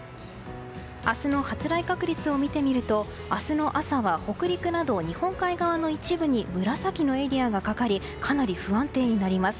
明日の発雷確率を見てみると明日の朝は北陸など日本海側の一部に紫のエリアがかかりかなり不安定になります。